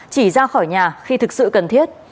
chỉ ra khỏi nhà khi thực sự cần thiết